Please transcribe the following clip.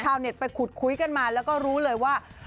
เน็ตไปขุดคุยกันมาแล้วก็รู้เลยว่า